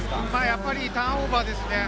やっぱりターンオーバーですね。